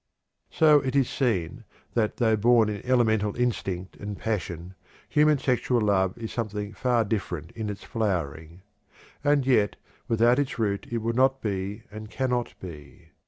So it is seen that though born in elemental instinct and passion, human sexual love is something far different in its flowering. And yet without its root it would not be, and cannot be.